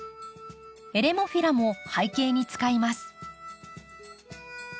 エレモフィラも背景に使います。